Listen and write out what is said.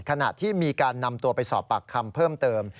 ขณะที่มีการนำตัวไปสอบปากคำเพิ่มเติม